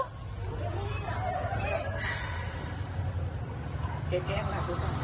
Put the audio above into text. แกล้งแกล้งล่ะ